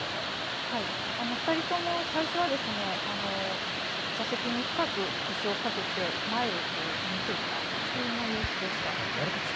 ２人とも最初は、座席に深く腰を掛けて、前を見ていた、そんな様子でした。